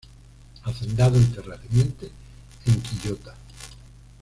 Hacendado y terrateniente en Quillota.